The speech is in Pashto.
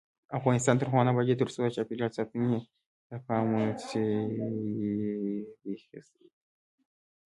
افغانستان تر هغو نه ابادیږي، ترڅو د چاپیریال ساتنې ته پام ونشي.